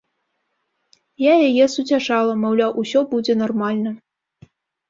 Я яе суцяшала, маўляў, усё будзе нармальна.